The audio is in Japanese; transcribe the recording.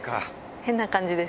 変な感じです。